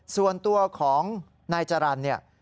ส่วนตัวของนายจรรย์